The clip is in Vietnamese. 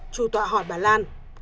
chủ tọa hỏi bà lan